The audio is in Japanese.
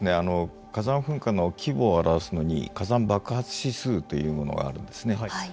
火山噴火の規模を表すのに火山爆発指数というものがあるんですね。